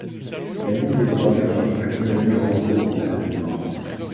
La Ligue des Droits de l'Homme, a condamné le recours aux menaces de mort.